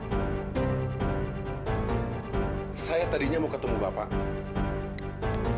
bapak sedang apa di sini saya tadinya mau ketemu bapak untuk membahas konsep iklan